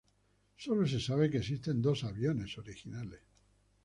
Solo se sabe que existen dos aviones originales.